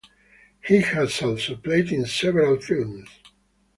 He has also played in several films.